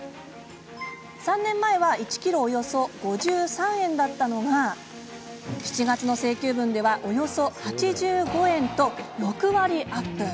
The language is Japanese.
３年前は１ｋｇおよそ５３円だったのが７月の請求分ではおよそ８５円と６割アップ。